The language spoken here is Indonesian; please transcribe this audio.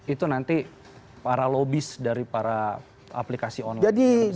itu nanti para lobis dari para aplikasi online